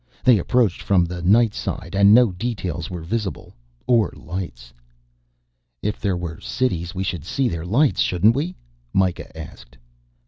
They approached from the night side and no details were visible. Or lights. "If there were cities we should see their lights shouldn't we?" Mikah asked.